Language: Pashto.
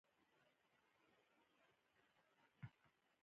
د اسلام مډرن فهم به تشه نظریه پاتې وي.